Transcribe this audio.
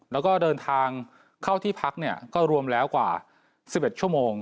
แล้วก็เดินทางเข้าที่พักเนี่ยก็รวมแล้วกว่า๑๑ชั่วโมง